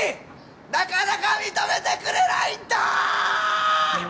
なかなか認めてくれないんだ！！